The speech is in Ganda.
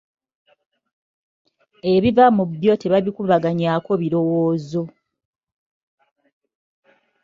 Ebiva mu byo tebabikubaganyaako birowoozo.